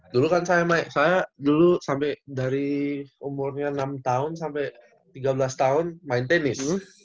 dulu kan saya dulu sampai dari umurnya enam tahun sampai tiga belas tahun main tenis